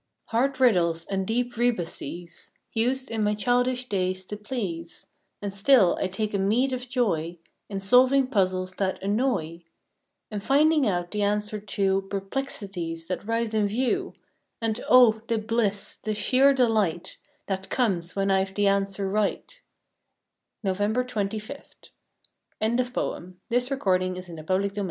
Hard riddles and deep rebuses Used in my childish days to please, And still I take a meed of joy In solving puzzles that annoy, And finding out the answer to Perplexities that rise in view And, oh, the bliss, the sheer delight That comes when I ve the answer right! November Twenty fifth THANKSGIVING all the glorious Sons of Earth With